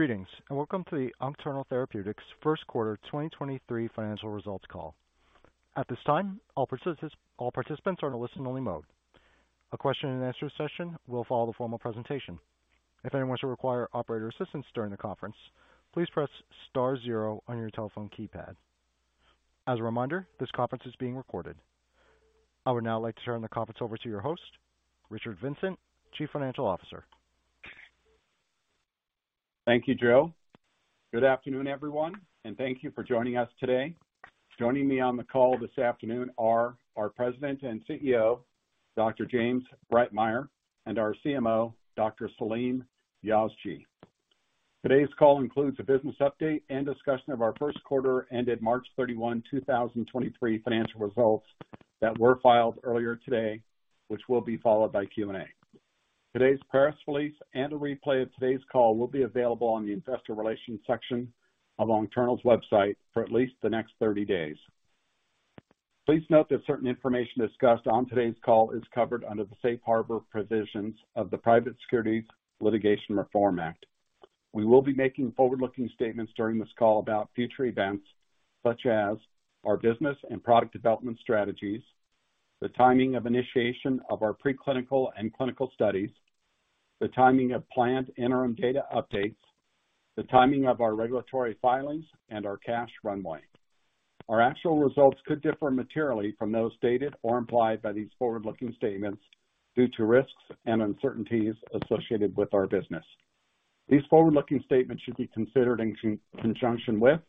Greetings, welcome to the Oncternal Therapeutics first quarter 2023 financial results call. At this time, all participants are in a listen-only mode. A question-and-answer session will follow the formal presentation. If anyone should require operator assistance during the conference, please press star zero on your telephone keypad. As a reminder, this conference is being recorded. I would now like to turn the conference over to your host, Richard Vincent, Chief Financial Officer. Thank you, Joe. Good afternoon, everyone, and thank you for joining us today. Joining me on the call this afternoon are our President and CEO, Dr. James Breitmeyer, and our CMO, Dr. Salim Yazji. Today's call includes a business update and discussion of our first quarter ended March 31, 2023 financial results that were filed earlier today, which will be followed by Q&A. Today's press release and a replay of today's call will be available on the investor relations section of Oncternal's website for at least the next 30 days. Please note that certain information discussed on today's call is covered under the safe harbor provisions of the Private Securities Litigation Reform Act. We will be making forward-looking statements during this call about future events, such as our business and product development strategies, the timing of initiation of our preclinical and clinical studies, the timing of planned interim data updates, the timing of our regulatory filings, and our cash runway. Our actual results could differ materially from those stated or implied by these forward-looking statements due to risks and uncertainties associated with our business. These forward-looking statements should be considered in conjunction with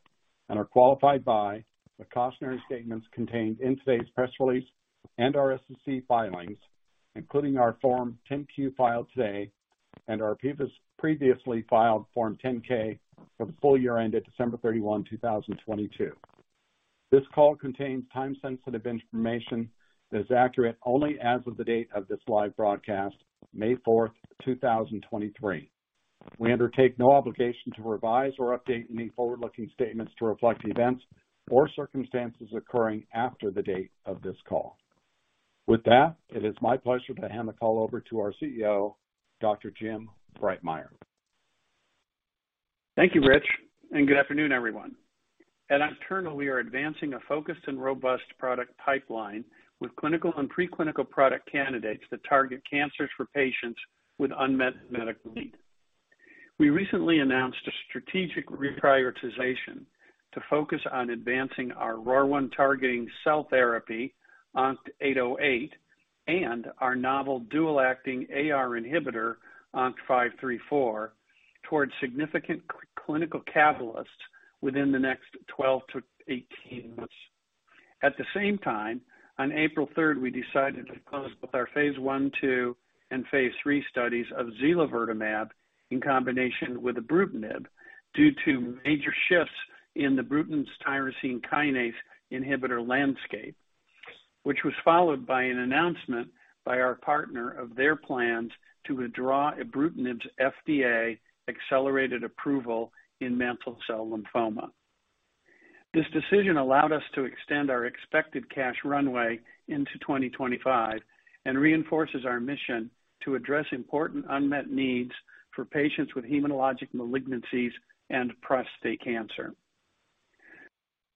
and are qualified by the cautionary statements contained in today's press release and our SEC filings, including our Form 10-Q filed today and our previously filed Form 10-K for the full year ended December 31, 2022. This call contains time-sensitive information that is accurate only as of the date of this live broadcast, May 4th, 2023. We undertake no obligation to revise or update any forward-looking statements to reflect events or circumstances occurring after the date of this call. With that, it is my pleasure to hand the call over to our CEO, Dr. Jim Breitmeyer. Thank you, Rich. Good afternoon, everyone. At Oncternal, we are advancing a focused and robust product pipeline with clinical and preclinical product candidates that target cancers for patients with unmet medical needs. We recently announced a strategic reprioritization to focus on advancing our ROR1-targeting cell therapy, ONCT-808, and our novel dual-acting AR inhibitor, ONCT-534, towards significant clinical catalysts within the next 12-18 months. At the same time, on April 3rd, we decided to close both our phase I/II and phase III studies of zilovertamab in combination with ibrutinib due to major shifts in the Bruton's tyrosine kinase inhibitor landscape, which was followed by an announcement by our partner of their plans to withdraw ibrutinib's FDA accelerated approval in mantle cell lymphoma. This decision allowed us to extend our expected cash runway into 2025 and reinforces our mission to address important unmet needs for patients with hematologic malignancies and prostate cancer.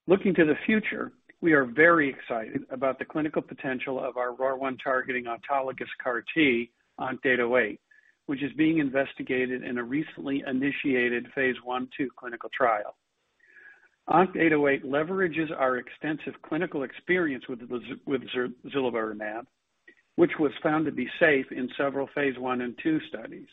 Looking to the future, we are very excited about the clinical potential of our ROR1-targeting autologous CAR T, ONCT-808, which is being investigated in a recently initiated phase I/II clinical trial. ONCT-808 leverages our extensive clinical experience with zilovertamab, which was found to be safe in several phase I and phase II studies.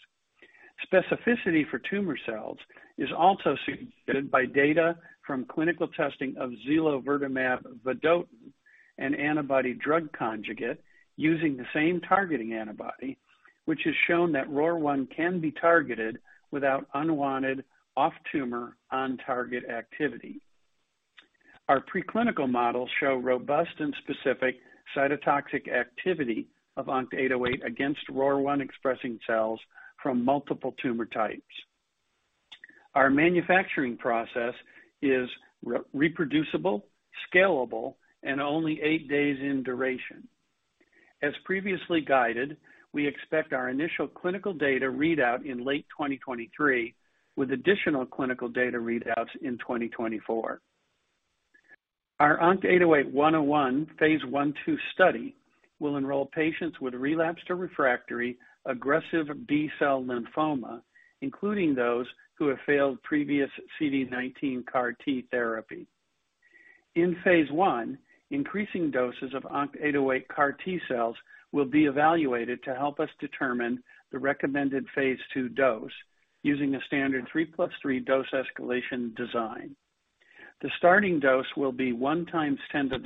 Specificity for tumor cells is also suggested by data from clinical testing of zilovertamab vedotin, an antibody-drug conjugate using the same targeting antibody, which has shown that ROR1 can be targeted without unwanted off-tumor on-target activity. Our preclinical models show robust and specific cytotoxic activity of ONCT-808 against ROR1-expressing cells from multiple tumor types. Our manufacturing process is re-reproducible, scalable, and only eight days in duration. As previously guided, we expect our initial clinical data readout in late 2023, with additional clinical data readouts in 2024. Our ONCT-808-101 phase I/II study will enroll patients with relapsed or refractory aggressive B-cell lymphoma, including those who have failed previous CD19 CAR T therapy. In phase I, increasing doses of ONCT-808 CAR T cells will be evaluated to help us determine the recommended phase II dose using a standard 3+3 dose escalation design. The starting dose will be 1 x 10^6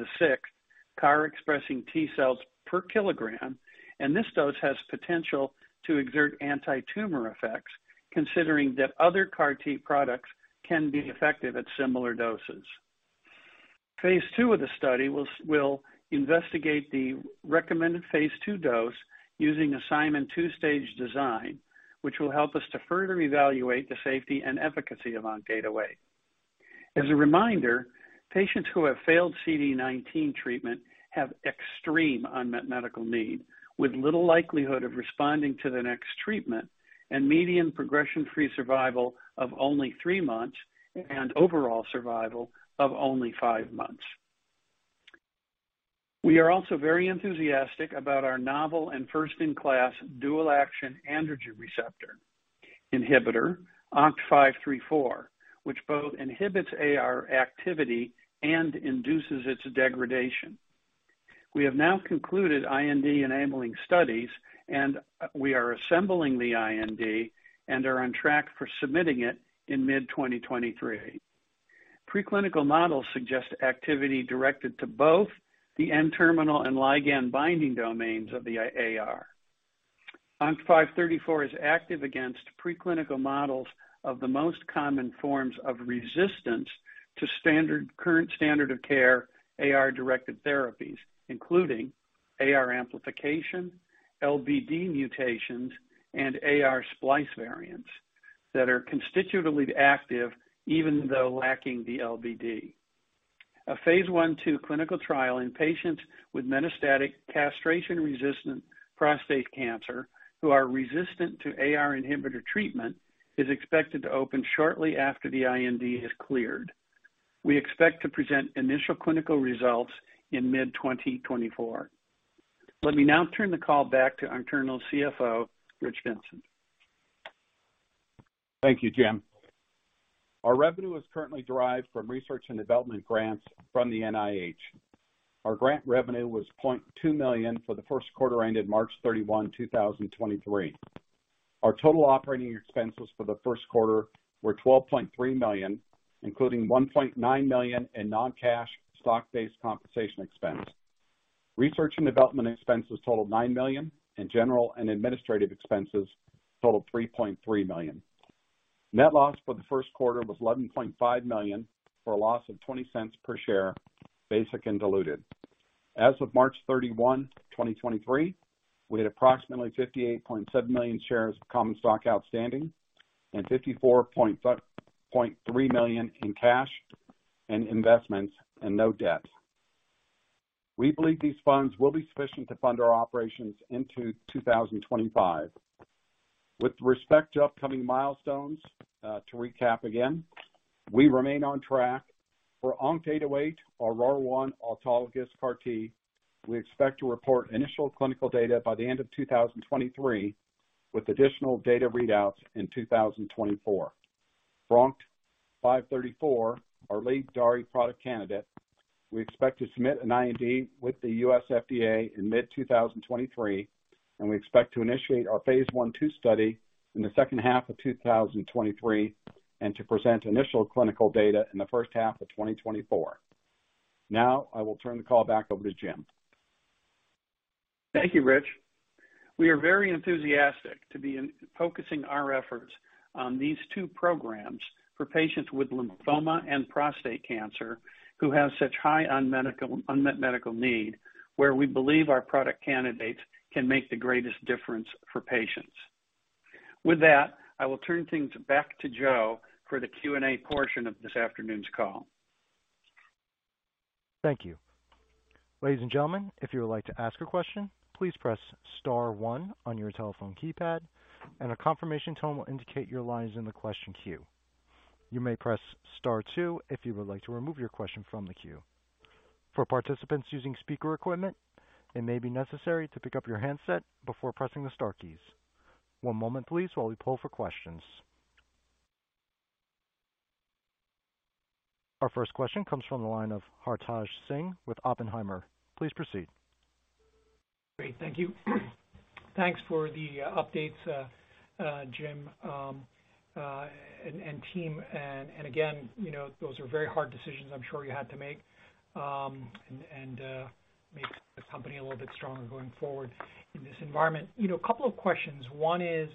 CAR-expressing T-cells per kilogram, and this dose has potential to exert anti-tumor effects, considering that other CAR T products can be effective at similar doses. Phase II of the study will investigate the recommended phase II dose using Simon two-stage design, which will help us to further evaluate the safety and efficacy of ONCT-808. As a reminder, patients who have failed CD19 treatment have extreme unmet medical need, with little likelihood of responding to the next treatment and median progression-free survival of only three months and overall survival of only five months. We are also very enthusiastic about our novel and first-in-class dual-action androgen receptor inhibitor, ONCT-534, which both inhibits AR activity and induces its degradation. We have now concluded IND-enabling studies, and we are assembling the IND and are on track for submitting it in mid-2023. Preclinical models suggest activity directed to both the N-terminal and ligand-binding domains of the AR. ONCT-534 is active against preclinical models of the most common forms of resistance to standard, current standard of care AR-directed therapies, including AR amplification, LBD mutations, and AR splice variants that are constitutively active even though lacking the LBD. A phase I/II clinical trial in patients with metastatic castration-resistant prostate cancer who are resistant to AR inhibitor treatment, is expected to open shortly after the IND is cleared. We expect to present initial clinical results in mid-2024. Let me now turn the call back to Oncternal's CFO, Richard Vincent. Thank you, Jim. Our revenue is currently derived from research and development grants from the NIH. Our grant revenue was $0.2 million for the first quarter ended March 31, 2023. Our total operating expenses for the first quarter were $12.3 million, including $1.9 million in non-cash stock-based compensation expense. Research and development expenses totaled $9 million, and general and administrative expenses totaled $3.3 million. Net loss for the first quarter was $11.5 million, for a loss of $0.20 per share, basic and diluted. As of March 31, 2023, we had approximately 58.7 million shares of common stock outstanding and $54.3 million in cash and investments and no debt. We believe these funds will be sufficient to fund our operations into 2025. With respect to upcoming milestones, to recap again, we remain on track for ONCT-808 or ROR1 autologous CAR T. We expect to report initial clinical data by the end of 2023, with additional data readouts in 2024. For ONCT-534, our lead DAARI product candidate, we expect to submit an IND with the U.S. FDA in mid-2023, and we expect to initiate our phase I/II study in the second half of 2023 and to present initial clinical data in the first half of 2024. I will turn the call back over to Jim. Thank you, Rich. We are very enthusiastic to be in, focusing our efforts on these two programs for patients with lymphoma and prostate cancer who have such high unmet medical need, where we believe our product candidates can make the greatest difference for patients. With that, I will turn things back to Joe for the Q&A portion of this afternoon's call. Thank you. Ladies and gentlemen, if you would like to ask a question, please press star one on your telephone keypad and a confirmation tone will indicate your line is in the question queue. You may press star two if you would like to remove your question from the queue. For participants using speaker equipment, it may be necessary to pick up your handset before pressing the star keys. One moment please while we poll for questions. Our first question comes from the line of Hartaj Singh with Oppenheimer. Please proceed. Great. Thank you. Thanks for the updates, Jim and team. Again, you know, those are very hard decisions I'm sure you had to make and makes the company a little bit stronger going forward in this environment. You know, a couple of questions. One is,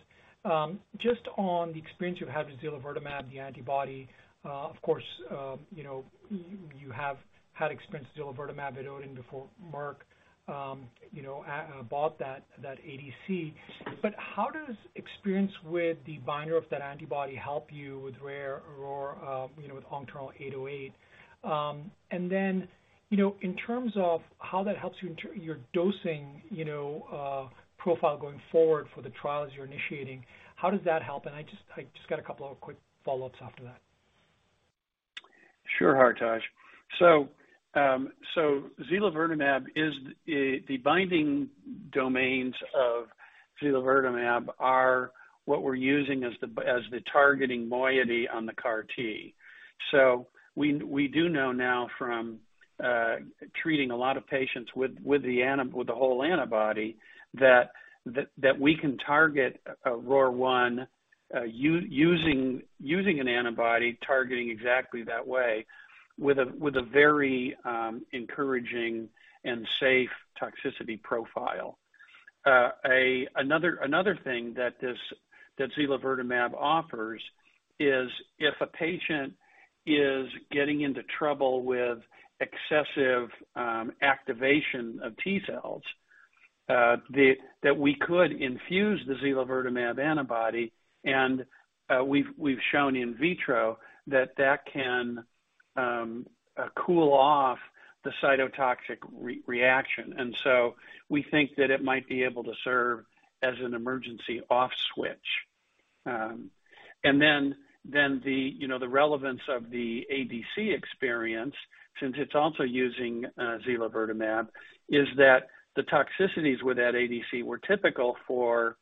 just on the experience you've had with zilovertamab, the antibody, of course, you know, you have had experience zilovertamab at Seagen before Merck, you know, bought that ADC. How does experience with the binder of that antibody help you with ROR, you know, with ONCT-808? You know, in terms of how that helps you your dosing, you know, profile going forward for the trials you're initiating, how does that help? I just got a couple of quick follow-ups after that. Hartaj. Zilovertamab is the binding domains of zilovertamab are what we're using as the targeting moiety on the CAR T. We do know now from treating a lot of patients with the whole antibody that we can target ROR1 using an antibody targeting exactly that way with a very encouraging and safe toxicity profile. Another thing that zilovertamab offers is if a patient is getting into trouble with excessive activation of T-cells, that we could infuse the zilovertamab antibody, and we've shown in vitro that that can cool off the cytotoxic reaction. We think that it might be able to serve as an emergency off switch. Then, the, you know, the relevance of the ADC experience, since it's also using zilovertamab, is that the toxicities with that ADC were typical for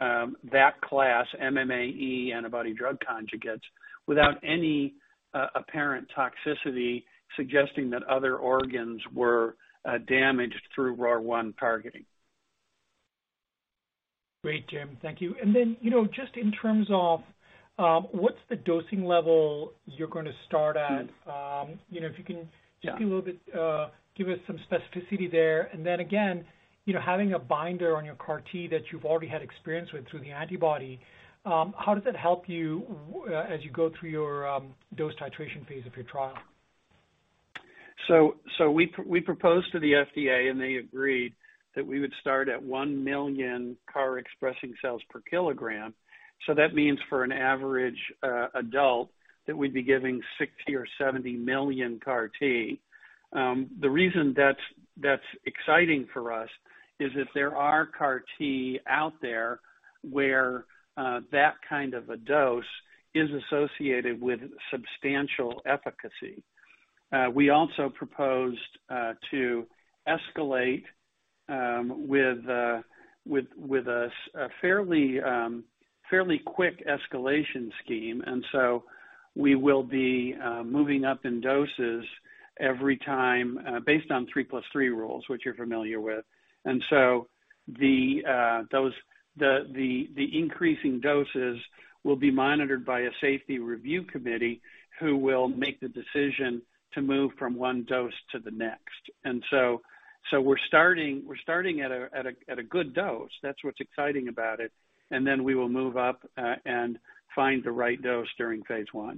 that class, MMAE antibody-drug conjugates, without any apparent toxicity suggesting that other organs were damaged through ROR1-targeting. Great, Jim. Thank you. You know, just in terms of, what's the dosing level you're gonna start at, you know? Yeah. just be a little bit, give us some specificity there. Then again, you know, having a binder on your CAR T that you've already had experience with through the antibody, how does it help you as you go through your dose titration phase of your trial? We proposed to the FDA, and they agreed that we would start at 1 million CAR-expressing cells per kilogram. That means for an average adult, that we'd be giving 60 or 70 million CAR T. The reason that's exciting for us is that there are CAR T out there where that kind of a dose is associated with substantial efficacy. We also proposed to escalate with a fairly quick escalation scheme. We will be moving up in doses every time based on 3+3 rules, which you're familiar with. Those increasing doses will be monitored by a Safety Review Committee who will make the decision to move from one dose to the next. We're starting at a good dose. That's what's exciting about it. We will move up, and find the right dose during phase I.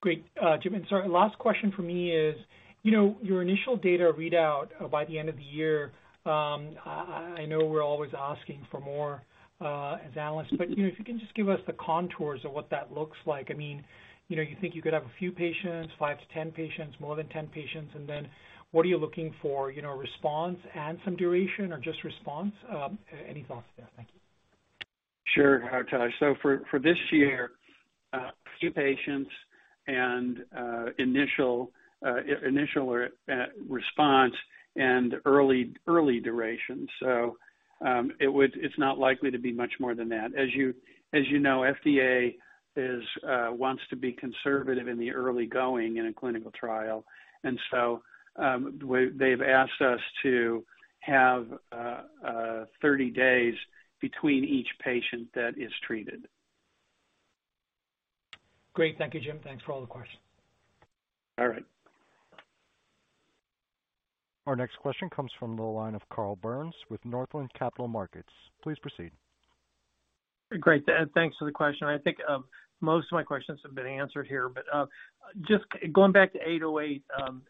Great. Jim, sorry, last question from me is, you know, your initial data readout by the end of the year, I know we're always asking for more as analysts. You know, if you can just give us the contours of what that looks like. I mean, you know, you think you could have a few patients, 5-10 patients, more than 10 patients, and then what are you looking for, you know, response and some duration or just response? Any thoughts there? Thank you. Sure, Hartaj. For this year, a few patients and initial response and early duration. It's not likely to be much more than that. As you know, FDA wants to be conservative in the early going in a clinical trial. They've asked us to have 30 days between each patient that is treated. Great. Thank you, Jim. Thanks for all the questions. All right. Our next question comes from the line of Carl Byrnes with Northland Capital Markets. Please proceed. Great. Thanks for the question. I think, most of my questions have been answered here, but, just going back to 808,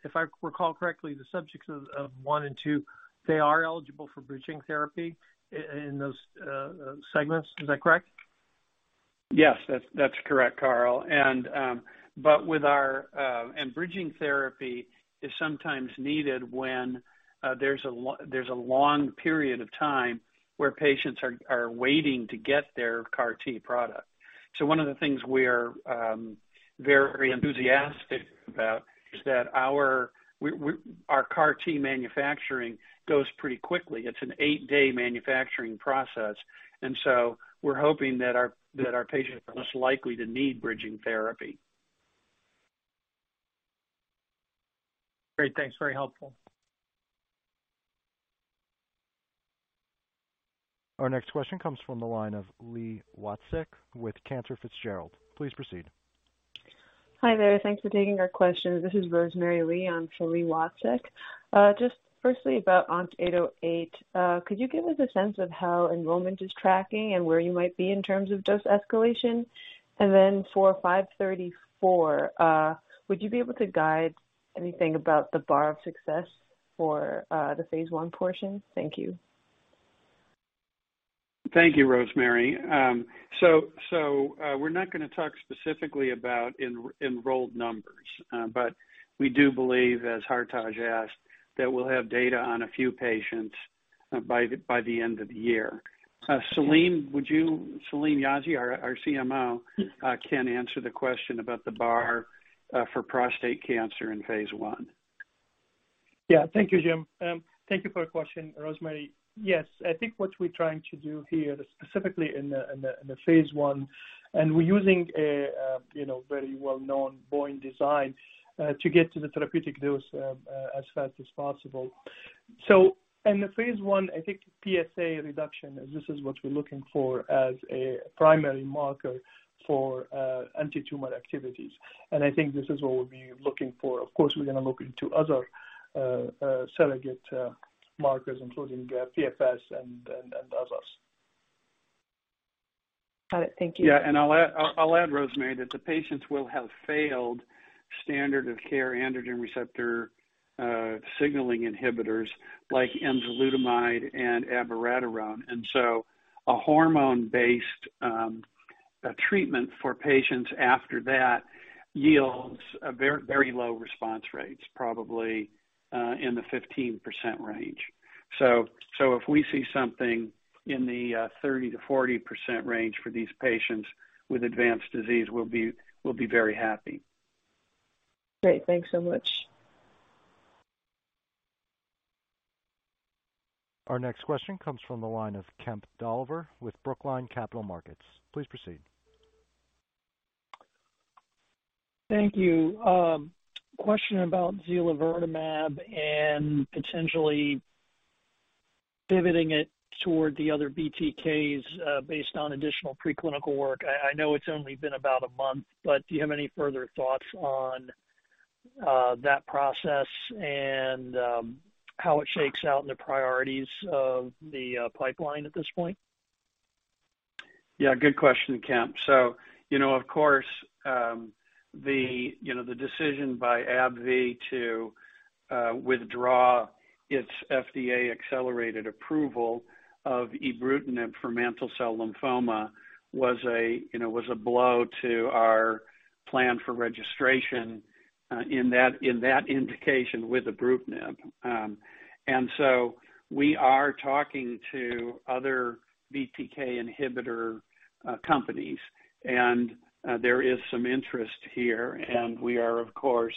if I recall correctly, the subjects of one and two, they are eligible for bridging therapy in those segments. Is that correct? Yes. That's correct, Carl. Bridging therapy is sometimes needed when there's a long period of time where patients are waiting to get their CAR T product. One of the things we're very enthusiastic about is that our CAR T manufacturing goes pretty quickly. It's an eight-day manufacturing process, and so we're hoping that our patients are less likely to need bridging therapy. Great. Thanks. Very helpful. Our next question comes from the line of Li Wang Watsek with Cantor Fitzgerald. Please proceed. Hi there. Thanks for taking our questions. This is Rosemary Lee on for Li Wang Watsek. Just firstly about ONCT-808, could you give us a sense of how enrollment is tracking and where you might be in terms of dose escalation? Then for ONCT-534, would you be able to guide anything about the bar of success for the phase I portion? Thank you. Thank you, Rosemary. We're not gonna talk specifically about enrolled numbers, but we do believe, as Hartaj asked, that we'll have data on a few patients by the end of the year. Salim Yazji, our CMO. Yes. can answer the question about the bar for prostate cancer in phase I. Yeah. Thank you, Jim. Thank you for your question, Rosemary. Yes. I think what we're trying to do here, specifically in the, in the, in the phase I, and we're using a, you know, very well-known BOIN design to get to the therapeutic dose as fast as possible. So in the phase I, I think PSA reduction, this is what we're looking for as a primary marker for antitumor activities. And I think this is what we'll be looking for. Of course, we're going to look into other surrogate markers, including PFS and, and others. Oh, thank you. Yeah. I'll add, Rosemary, that the patients will have failed standard of care androgen receptor signaling inhibitors like enzalutamide and abiraterone. A hormone-based treatment for patients after that yields a very, very low response rates, probably in the 15% range. So if we see something in the 30%-40% range for these patients with advanced disease, we'll be very happy. Great. Thanks so much. Our next question comes from the line of Kemp Dolliver with Brookline Capital Markets. Please proceed. Thank you. Question about zilovertamab and potentially pivoting it toward the other BTKs, based on additional preclinical work. I know it's only been about a month, but do you have any further thoughts on that process and how it shakes out in the priorities of the pipeline at this point? Yeah, good question, Kemp. Of course, the decision by AbbVie to withdraw its FDA accelerated approval of ibrutinib for mantle cell lymphoma was a blow to our plan for registration in that indication with ibrutinib. We are talking to other BTK inhibitor companies, and there is some interest here, and we are, of course,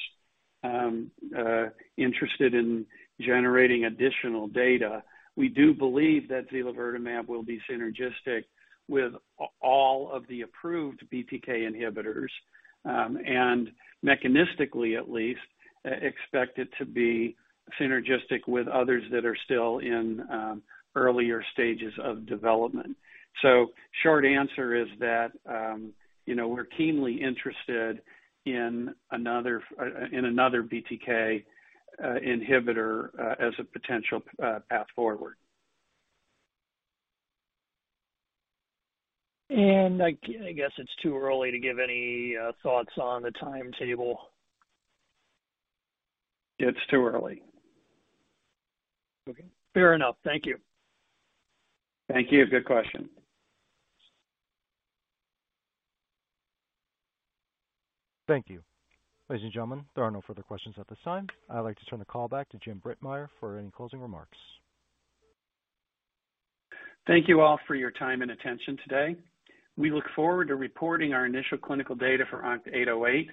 interested in generating additional data. We do believe that zilovertamab will be synergistic with all of the approved BTK inhibitors, and mechanistically at least expect it to be synergistic with others that are still in earlier stages of development. Short answer is that we're keenly interested in another BTK inhibitor as a potential path forward. I guess it's too early to give any thoughts on the timetable. It's too early. Okay, fair enough. Thank you. Thank you. Good question. Thank you. Ladies and gentlemen, there are no further questions at this time. I'd like to turn the call back to James Breitmeyer for any closing remarks. Thank you all for your time and attention today. We look forward to reporting our initial clinical data for ONCT-808,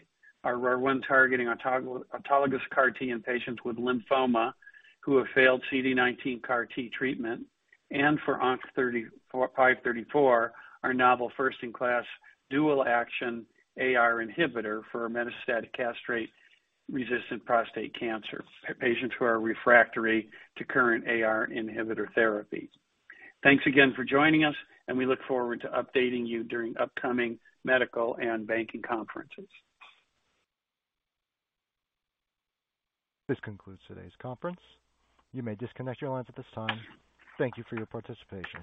our ROR1-targeting autologous CAR T in patients with lymphoma who have failed CD19 CAR T treatment. For ONCT-534, our novel first-in-class dual-action AR inhibitor for metastatic castration-resistant prostate cancer, patients who are refractory to current AR inhibitor therapy. Thanks again for joining us and we look forward to updating you during upcoming medical and banking conferences. This concludes today's conference. You may disconnect your lines at this time. Thank you for your participation.